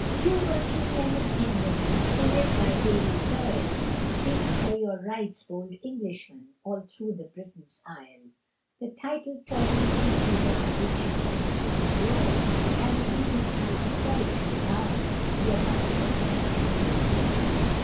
You working men of England, Who live by daily toil, Speak for your rights, bold Englishmen, All thro' Britain's isle; The titled tories keep you down, Which you cannot endure, And the reason I to tell am bound, You're but working men and poor.